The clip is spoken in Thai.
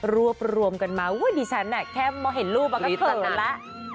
รวบรวมกันมาว่าดิฉันแค่เห็นรูปก็เผลอแล้ว